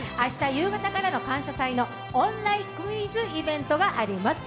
夕方からの「感謝祭」のオンラインクイズイベントがあります。